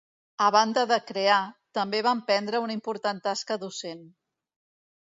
A banda de crear, també va emprendre una important tasca docent.